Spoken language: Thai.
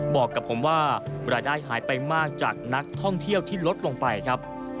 บอกกับผมว่ารายได้หายไปมากจากนักท่องเที่ยวที่ลดลงไปครับ